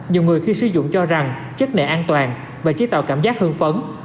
nhiều người khi sử dụng cho rằng chất này an toàn và chế tạo cảm giác hương phấn